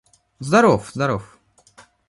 Здоров, здоров....